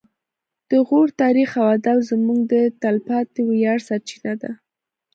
د غور تاریخ او ادب زموږ د تلپاتې ویاړ سرچینه ده